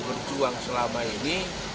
berjuang selama ini